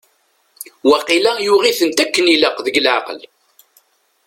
Waqila yuɣ-itent akken i ilaq deg leɛqel.